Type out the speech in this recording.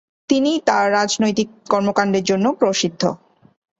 তিনি তার রাজনৈতিক কর্মকান্ডের জন্য প্রসিদ্ধ।